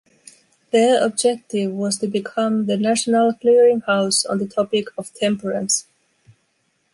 Their objective was to become the national clearinghouse on the topic of temperance.